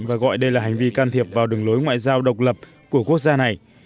và gọi đây là hành vi can thiệp vào đường lối ngoại giao độc lập của quốc gia này